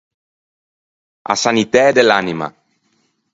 A sanitæ de l’anima.